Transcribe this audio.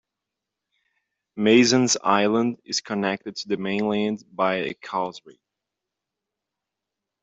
Mason's Island is connected to the mainland by a causeway.